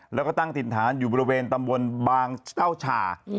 แล้วก็ตั้งถิ่นฐานอยู่บริเวณตำบลบางเจ้าฉ่า